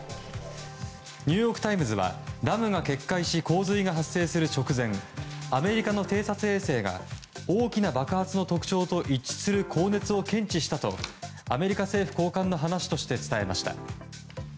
ニューヨーク・タイムズはダムが決壊し洪水が発生する直前アメリカの偵察衛星が大きな爆発の特徴と一致する高熱を検知したとアメリカ政府高官の話として伝えました。